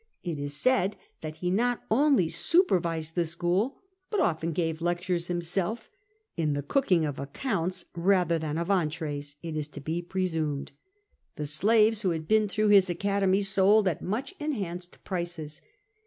It is said that he not only supervised the school, but often gave lectures himself — in the cooking of accounts, rather than of entries, it is to be presumed. The slaves who had been through this academy sold at much enhanced prices.